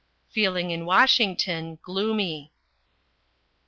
Feeling in Washington gloomy.